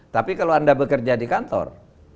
tapi kalau anda bekerja di kantor